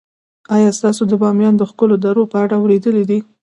آیا تاسو د بامیان د ښکلو درو په اړه اوریدلي دي؟